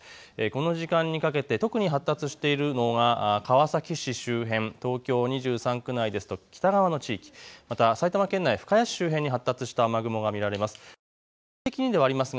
この時間にかけで特に発達しているのが川崎市周辺、東京２３区内ですと北側の地域、また埼玉県内、深谷市周辺などに発達した雨雲が見られます。